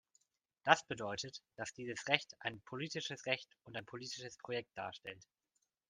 Das bedeutet, dass dieses Recht ein politisches Recht und ein politisches Projekt darstellt.